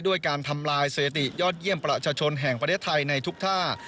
ด้วยการทำลายสถิติยอดเยี่ยมประชาชนแห่งประเทศไทยในทุกท่า